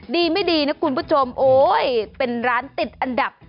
ดีไม่ดีนะคุณผู้ชมโอ๊ยเป็นร้านติดอันดับ